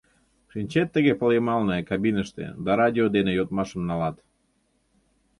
Шинчет тыге пыл йымалне кабиныште да радио дене йодмашым налат.